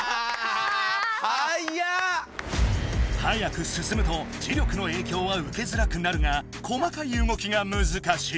速く進むと磁力の影響は受けづらくなるが細かいうごきがむずかしい。